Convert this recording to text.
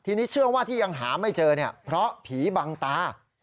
ทีนี้เชื่อว่าที่ยังหาไม่เจอเนี่ยเพราะผีบังตา